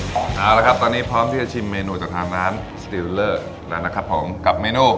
เอาละครับตอนนี้พร้อมที่จะชิมเมนูจากทางร้านสติลเลอร์แล้วนะครับผมกับเมนู